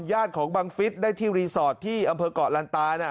ญาติของบางฟิศได้ที่รีสอร์ทที่อำเภอกรรณตานะ